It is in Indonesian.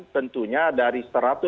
tentunya dari satu ratus lima puluh